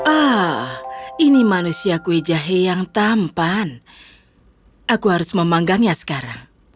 ah ini manusia kue jahe yang tampan aku harus memanggangnya sekarang